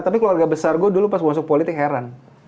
tapi keluarga besar gue dulu pas masuk politik heran